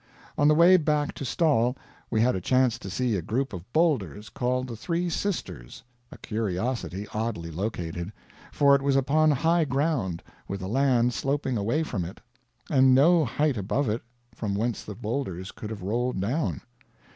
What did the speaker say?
On the way back to Stawell we had a chance to see a group of boulders called the Three Sisters a curiosity oddly located; for it was upon high ground, with the land sloping away from it, and no height above it from whence the boulders could have rolled down.